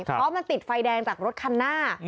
เพราะมันติดไฟแดงจากรถคันหน้า